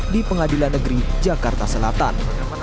di pengadilan negeri jakarta selatan